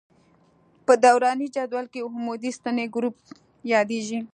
په دوراني جدول کې عمودي ستنې ګروپ یادیږي.